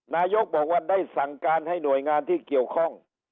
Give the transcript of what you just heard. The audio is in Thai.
นายกบอกว่าได้สั่งการให้หน่วยงานที่เกี่ยวข้อง